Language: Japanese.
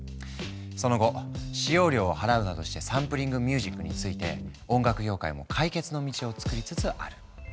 その後使用料を払うなどしてサンプリングミュージックについて音楽業界も解決の道を作りつつある。